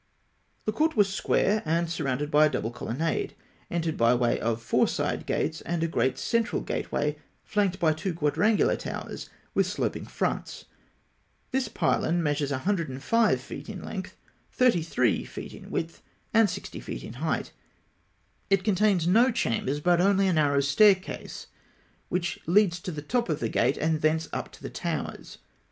The court (I) was square, and surrounded by a double colonnade entered by way of four side gates and a great central gateway flanked by two quadrangular towers with sloping fronts. This pylon (K) measures 105 feet in length, 33 feet in width, and 60 feet in height. It contains no chambers, but only a narrow staircase, which leads to the top of the gate, and thence up to the towers.